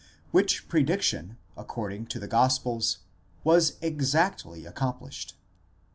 which prediction, according to the gospels, was exactly accomplished.